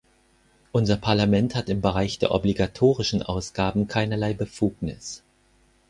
Unser Parlament hat im Bereich der obligatorischen Ausgaben keinerlei Befugnis.